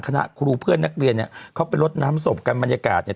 คณะครูเพื่อนนักเรียนเนี่ยเขาไปลดน้ำศพกันบรรยากาศเนี่ย